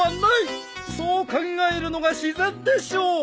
そう考えるのが自然でしょう。